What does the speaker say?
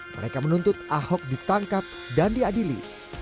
mereka menuntut ahok ditangkap dan diadili